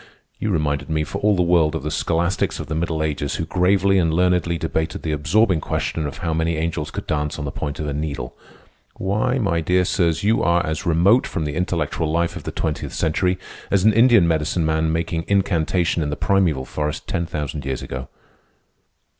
You reminded me for all the world of the scholastics of the Middle Ages who gravely and learnedly debated the absorbing question of how many angels could dance on the point of a needle. Why, my dear sirs, you are as remote from the intellectual life of the twentieth century as an Indian medicine man making incantation in the primeval forest ten thousand years ago."